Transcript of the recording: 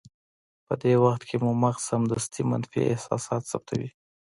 په دې وخت کې مو مغز سمدستي منفي احساسات ثبتوي.